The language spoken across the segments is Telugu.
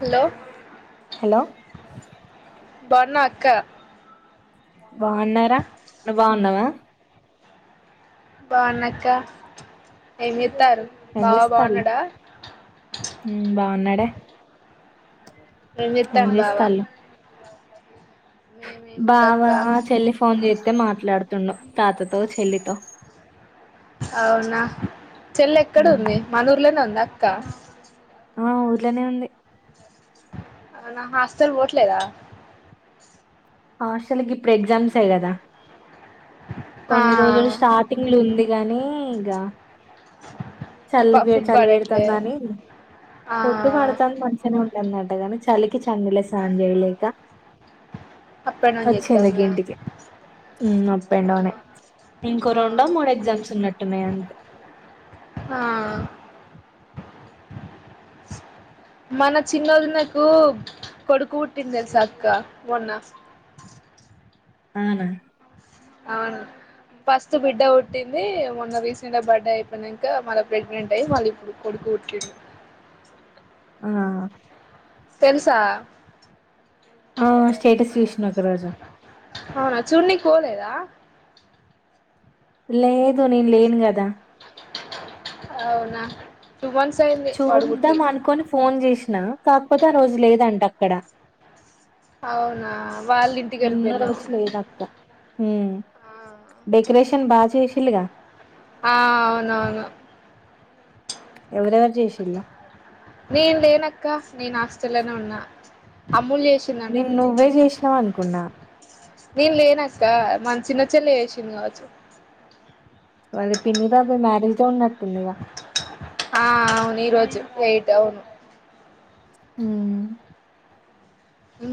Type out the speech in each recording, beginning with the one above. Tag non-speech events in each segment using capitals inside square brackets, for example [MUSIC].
హలో హలో బన్న అక్క బాగున్నారా నువు బాగున్నావా బాగున్నాక్క ఏమి చెతారు ఏం బా చేస్తాళ్ళు బాగున్నాడా ఉమ్ బాగున్నాడే రజత ఏం అంబావా చేస్తాళ్ళు బావ మేమేందకా చెల్లి ఫోన్ చేస్తే మాట్లాడుతుండు తాతతో చెల్లితో అవునా చెల్లె ఎక్కడ ఉమ్, ఉంది మనూర్లోనే ఉంది అక్క ఆ ఊర్లోనే ఉంది నా హాస్టల్ పోట్లేదా ఆ అసలుకి ఇప్పుడు ఎ్సామ్స్ ఇడదా ఆ కొన్ని రోజులు స్టార్టింగ్లు ఉంది గాని ఇక చలి ప వ ఫుడ్ చలి పడట్లే పెడుతుందాని ఆ ఫొడ్టు పడుతాంది మంచిగానే ఉంటుంది టగా చలికి చన్నలే సాాంజేవిలేకా అప్ అండ్ డౌన్ వచ్చిందగ్గ చేత్తాందా ఇంటికి అప్ అండ్ డౌన్ ఇంకో ఆ రెండో మూడు ఎగ్జామ్స్ ఉన్నట్టున్నాయి అంతే ఆ ఉస్ మన చిన్నోదినకు కొడుకు పుట్టింది సక్క మొన్న ఆ అనాల అవును ఫస్ట్ బిడ్డ వుట్టిందీ, మొన్న రీసెంట బడ్డే అయిపోయినంక, మళ ప్రెగ్నంటై మళ్ళిప్పుడు కొడుక్. ఓకే ఆ తెలుసా ఆ! స్టేటస్ చూసినా ఒకరోజు. అవునా చూడ్నికోలేదా లేదు నేన్ లేన్ గదా అవునా టూ మంత్స్ అయింది వాడు పుట్టి చూద్దాం అనుకొని ఫోన్ చేసినా, కాకపోతే ఆ రోజు లేదంట అక్కడ. అవునా వాళ్ళింటిక్ ఎళ్ళిపోయినారు ఊ డెకరేషన్ బాచేశిల్లుగ ఆ అవునవును ఎవరెవరు చేశిళ్ల నేన్ లేనక్క నేను హాస్టల్లోనే ఉన్నా అ నేన్ నువ్వే చేసినవ్ అనుకున్నా నేన్ లేనక్కా మాన్ చిన్న చెల్లె చేసింది కావచ్చు వాళ్ళ పిన్ని బాబయ్ మ్యరజ్ డే ఉన్న ఆ అవును ఈరోజు వెయిట్ అవును ఊ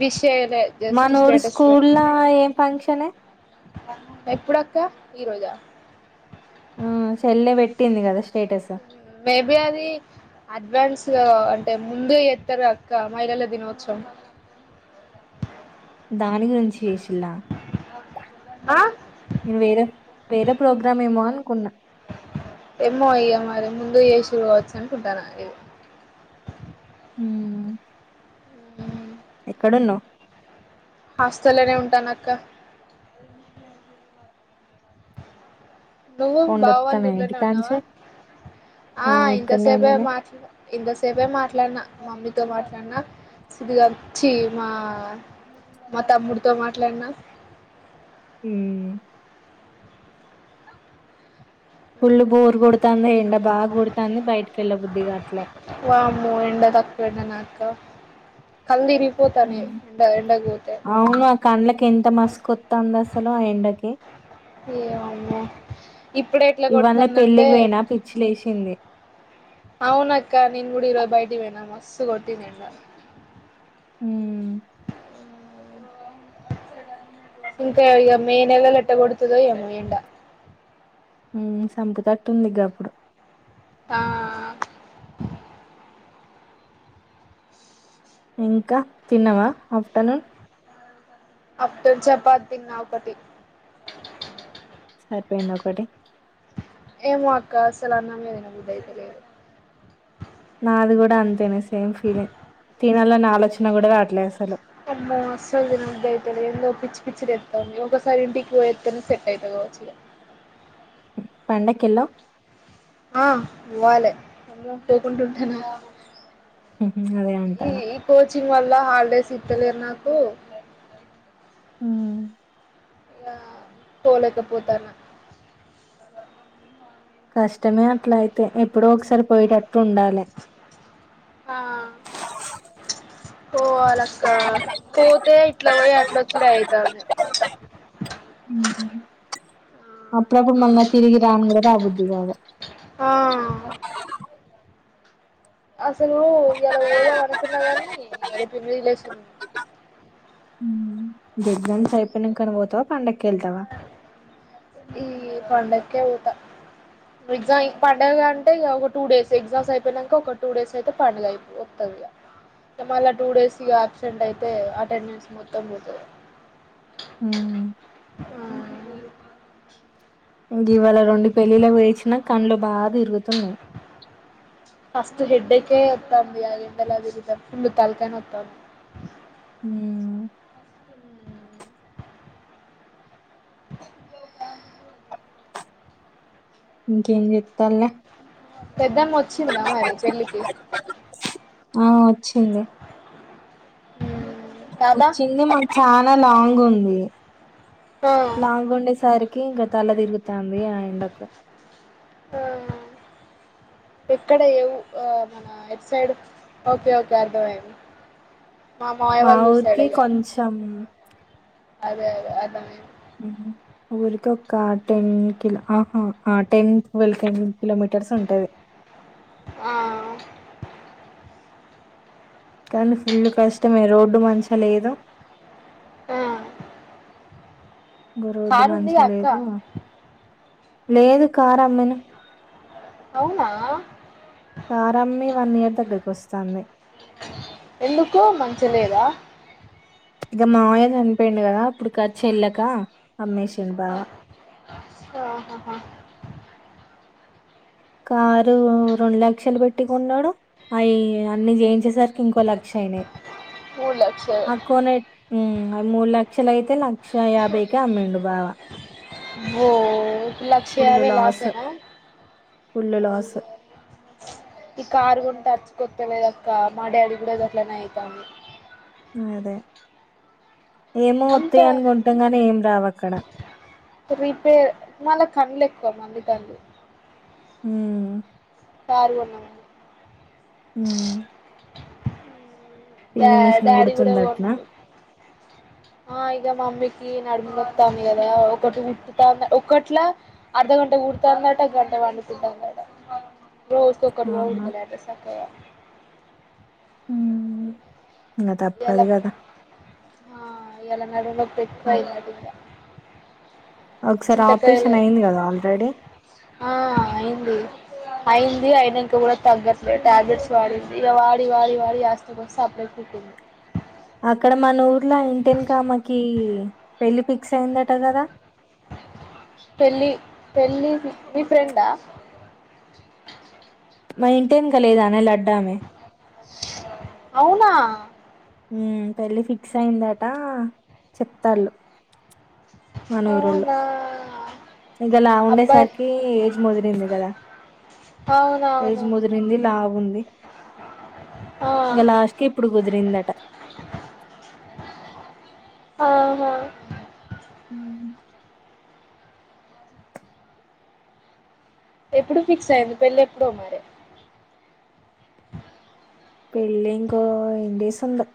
విష్ చేయలే జస్ట్ మనూరి స్టేటస్ పెట్నా స్కూల్‌లా ఏం ఫంక్షనే? ఎప్పుడక్క ఈ రోజా ఆ చెల్లె వెట్టింది గదా స్టేటస్ మేబీ అది అడ్వాన్స్ గగా అంటే ముందు ఏత్తరు గా అక్క మహిళల దినోత్సవం. దాని గురించి చేేసిల్ల ఆ నేను వేరే వేరే ప్రోగ్రాం ఏమో అనుకున్నా ఏమ్మో ఇగ మరి ముందు ఏసిరు గావచ్చు అనుకుంటాన ఏవొ ఊ ఊమ్ ఎక్కడున్నవ్ హాస్టల్లనే ఉంటాను అక్క నువ్వు బావా వాల్ పోండొత్తాను రూంలనే ఉన్నావా ఇంటికాంచే. ఆ ఇక్కడనే ఇంతసేపే ఉన్నానే మాట్ల ఇంతసేపే మాట్లాడ్న మమ్మి తో మాట్లాడ్న సుబుగాన్ ఛీ మా మా తమ్ముడితో మాట్లాడ్న ఊ ఫుల్లు బోర్ గొడుతాందే ఎండ బాగ్ గొడతాంది బయటికెళ్ళ బుద్ది గాట్లే వామ్మో ఎండ తక్కువ ఎండనా అక్క కళ్ళు తిరిగిపోతానయి ఎండ ఎండకు పోతే అవును కండ్లకి ఎంత మస్క ఒత్తందాస సలో ఆ ఎండకి ఏమమ్మో ఇప్పుడే ఇట్ల ఇవాళ కొడుతుందంటే పెళ్ళికి పోయినా పిచ్చి లేసింది అవునక్క నేన్ గూడ ఇరో బయటివొయినా మస్సు గొటింది ఎండ. ఊ ఊ ఇంకా ఇగ మే నెలల ఎట్ట కొడుతదో ఏమొ ఎండ ఊమ్ సంపుతట్టుంది గప్పుడు ఆ ఇంక తిన్నవా ఆఫ్టర్నూన్ [UNINTELLIGIBLE] చపాదిన్నా ఒకటి సరిపోయిందా ఒకటి ఏమో అక్క అసలు అన్నమే తినబుద్ధి అయితలేదు నాది కూడా అంతేనే సేమ్ ఫీలింగ్ తినాలని ఆలోచన కూడా రాట్లేదు అసలు చో వై అయితే ఎందు పిచ్చిలేస్తుంది ఒకసారి ఇంటికి పోస్తనే సెట్ అవుత కావచ్చు ఇ పండకేలో ఆ ఇవ్వాలి ఎమో పోకుంటుంటాను అదే అంటారా వల్ల హాలిడేస్ ఇత్తలేరు నాకు ఉ పోలేక పోతనా కష్టమే అట్లా అయితే ఎప్పుడో ఒకసారి పోయటట్ ఉండాలి పోలాకా పో ఇట్లా పోయి ఆట్లా అచ్చుడ్అయితాంది ఉమ్ అప్పుడప్పుడు మన్న తిరిగి రాను కదా ఆ బుద్ధి కాదు ఆ అసలు ఇలా ఓదాం అనుకున్నా గానిళపో రిలేషన్ ఉహు ఎగ్జామ్స్ అయిపోయినా కని పోతావా పండకే వెళ్తావా ఈ పండకే వెళ్తా ఎగ్జామ్ పండుగ అంటే ఒక టూ డేస్ ఎగ్జామ్స్ అయిపోయినాక ఒక టూ డేస్ అయితే పండుగ అయిపోతుంది అ మళ్ళా టూ డేస్ అబ్సెంట్ అయితే అటెండెన్స్ మొత్తం పోతది ఉ ఆ గేవాళ రెండు పెళ్లిళ్లు వేసినా కండ్లు బాగా తిరుగుతున్నాయి ఫస్ట్ హెడ్డకే వత్తాంది ఆ తల తిరుగుతుంది ఫుల్ తలకాయ నొత్తంది ఉ ఇంకేం చేస్తాంలే పెద్దమ్మ వచ్చిందా మరి పెళ్లికి ఆ వచ్చింది తాత వచ్చింది మాకు చాలా లాంగ్ ఉంది ఆ లాంగ్ ఉండేసరికి ఇక తల తిరుగుతుంది ఆ ఎండకు ఆ ఎక్కడ ఏవు ఆ మన ఎట్ సైడ్ ఓకే ఓకే అర్థమైది మా మామయ్య వాళ్ళ సైడ్ ఊరికి గా కొంచెం అదే అదే అ ఊరికి ఒక్క టెన్ కిలో ఆహా ఆ టెన్ వెల్కె కిలోమీట క్యాడ్స్ ఉంటాది ఆ కానీ ఫుల్ కష్టమే రోడ్డు మంచిగా లేదు ఆ రోడ్డు కారు మంచిగా ఉందిగా అక్క లేదు లేదు కార్ అమ్మిన అవునా కార్ అమ్మి వన్ ఇయర్ దగ్గరికి వస్తుంది ఎందుకు మంచిగా లేదా ఇక మామయ చనిపోయిడు కదా ఇప్పుడుకి చెల్లక అమ్మేసిడు బావ ఆఓ హా హా కారు రెండు లక్షలు పెట్టి ఉన్నాడు అవి అన్ని చేయించేసరికి ఇంకో లక్ష షైనీ మూడు లక్షలు ఆక్కోనే ట్ ఉ మూడు లక్షలు అయితే లక్ష యాబై కే అమ్మెండు బావ వో లక్ష ఫుల్ యాబై లాస్ లాసేనా ఫుల్ లాస్ ఈ కారు కొంటే అచ్చికొత్తలేదక్క మా డాడికి కూడా గట్లనే అయితాంది అదే ఏమో వత్తయి అని అంత కొంటాం కాని ఏం రావు అక్కడ రిపేర్ మళ్ళ కండ్లు ఎక్కువ మంది కండ్లు ఉమ్ కారు కొన్నాం అని ఉమ్ ఇగ పిన్ని మిషన్ డాడీ కూడా కుడుతుందట కొన్నడు ఆ ఇగ మమ్మీకి నడుము నొత్తాంది కదా ఒకటి కుట్టుతా ఒకట్లా అర్ధగంట కుదుతాందట గంట పండుకుంటాందట రోజుకి ఒక్కటి ఆ, కూడా కుడుతలేదంట సక్కగా ఉమ్ ఇంకా ఇయాల తప్పదు కదా ఆ ఇయాల నడుము నొప్పి ఆ ఎక్కువైందట ఇంగ ఒకసారి చింతకాయలు ఆపరేషన్ అయింది కదా ఆల్రెడీ ఆ అయింది అయింది అయినంక కూడా తగ్గట్లేదు టాబ్లెట్స్ వాడింది ఇక వాడి వాడి వాడి యస్టకొచ్చి సప్పుడే ఊకుంది అక్కడ మన ఊర్లో ఇంటెనుకామెకి పెళ్లి ఫిక్స్ అయిందట కదా పెళ్ళి పెళ్ళి ఫి మీ ఫ్రెండా మా ఇంటెనుక లేదానే లడ్డు అవునా ఉమ్ పెళ్ళి ఫిక్స్ అయిందట చెప్తాళ్ళు అవునా ఇంగ లావుండె అబ్బాయి సరికి ఏజ్ ముదిరింది కదా ఏజ్ అవునవును ముదిరింది లావుంది ఆ ఇంగ లాస్ట్కి ఇప్పుడు కుదిరిందట ఆహా ఉమ్ హు ఎప్పుడు ఫిక్స్ అయింది పెళ్ళి ఎప్పుడో మరే పెళ్ళి ఇంకో ఎన్ని డేస్ ఉందో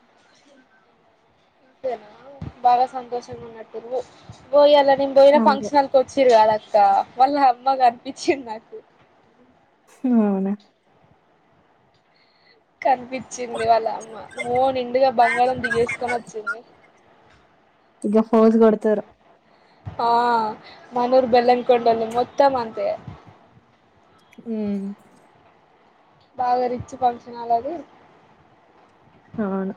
అంతేనా బాగా సంతోషంగా ఉన్నట్టున్నరు ఓ ఇయాల నేను పోయిన ఆగు. ఫంక్షన్ హాళ్లకి వచ్చిరు కాదక్క వాళ్ళ అమ్మ కనిపించింది నాకు అవునా కనిపించింది వాళ్ళ అమ్మ అమ్మో నిండుగ బంగారం దిగేసుకొని వచ్చింది ఫోన్స్ కొడుతుర్రు ఆ మనూర్ బెల్లంకొండల్ మొత్తం అంతే ఉ బాగా రిచ్ ఫంక్షన్ హాల్ అది అవును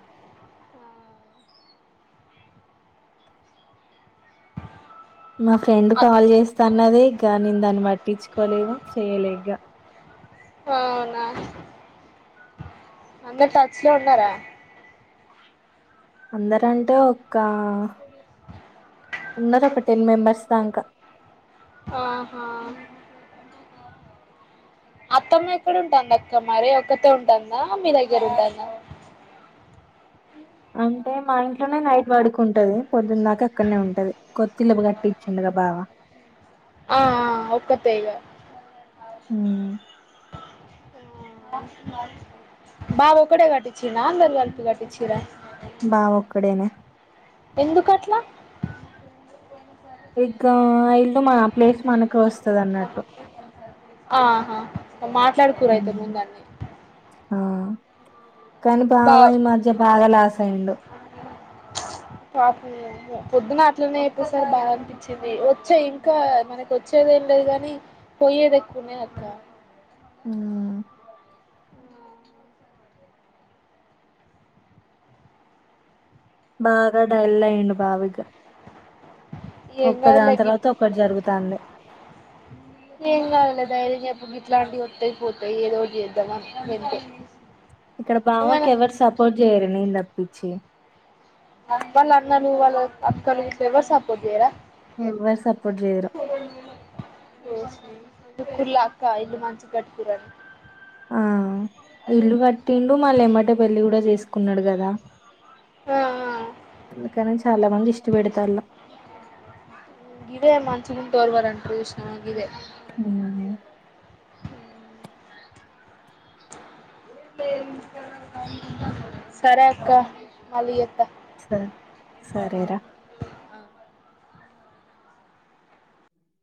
మా ఫ్రెండ్ కాల్ చేస్తాన్నది ఇగ నేను దాన్ని పట్టించుకోలేదు చేయలే ఇగ అవునా అందరు టచ్ లో ఉన్నారా అందరంటే ఒక్కా ఉన్నరోక టెన్ మెంబర్స్ దాంకా ఆహా అత్తమ్మ ఎక్కడ ఉంటాందక్క మరి ఒక్కతే ఉంటాందా మీ దగ్గర ఉంటాందా అంటే మా ఇంట్లోనే నైట్ పడుకుంటది పొద్దున దాకా అక్కడనే ఉంటది కొ త్తిళ్ళు కట్టిచ్చిండుగా బావ ఆ ఆ ఒక్కతే ఇగ ఆ స బాబ ఒక్కడే కట్టిచిన అందరు కలిపి కట్టిచ్చిరా బా ఒక్కడేనే ఎందుకట్లా ఇంకా ఆయిల్ ఆహా మాట్లాడుకోరైతే ఉమ్, ము దాన్ని ఆ కానీ బా బావయి మధ్య బాగా లాస్ అయ్యిండు పాపం పొద్దున అట్లనే అయిపోసార్ బాగా అనిపించింది వచ్చే ఇంకా మనకి వచ్చేది ఏం లేదు కాని పోయేది ఎక్కువనే అక్క ఉ మా కాడ ఎలయ భావిక ఏం ఒక్క కాదులే దాని గి తర్వాత ఒకటి జరుగుతాంది ఏం కాదులే ధైర్యం చెప్పు గి ఇట్లాంటివి వత్తయి పోతాయి ఏదో చేద్దామా వింటే ఇక్కడ బామకి ఎవరు సపోర్ట్ చేయ్యరు నేను తప్పించి వాళ్ళ అన్నలు వాళ్ళ అక్కలు ఇ ఎవరు సపోర్ట్ చేయరా ఎవ్వరు సపోర్ట్ చేయరు కుర్లాక్క ఇల్లు మంచి కట్టుకుర ఆ ఇల్లు కట్టిండు మళ్ళ ఏమంటే పెళ్లి కూడా చేసుకున్నాడు కదా ఆ అందుకని చాలా మంది దిష్టిపెడతారు ఇదే మంచిగుంట వర్వరంటారు ఇష్టం ఇదే ఉహు సరే అక్క మళ్ళీ చెత్తా స సరే రా ఆ